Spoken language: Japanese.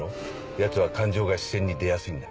ヤツは感情が視線に出やすいんだ。